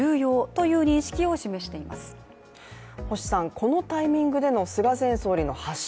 このタイミングでの菅前総理の発信。